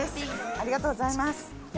ありがとうございます。